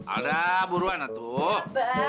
alda buruan atuh